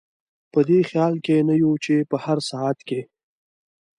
په دې خیال کې نه یو چې په هر ساعت کې.